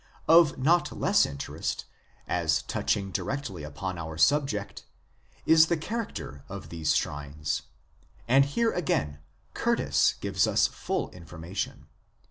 Of not less interest, as touching directly upon our subject, is the character of these shrines. And here again Curtiss gives us full information.